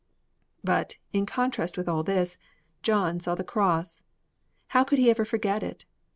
But, in contrast with all this, John saw the Cross! How could he ever forget it?